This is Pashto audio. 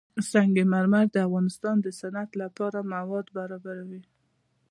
سنگ مرمر د افغانستان د صنعت لپاره مواد برابروي.